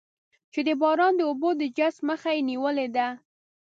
چې د باران د اوبو د جذب مخه یې نېولې ده.